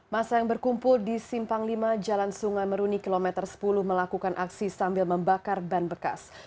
masa yang berkumpul di simpang lima jalan sungai meruni kilometer sepuluh melakukan aksi sambil membakar ban bekas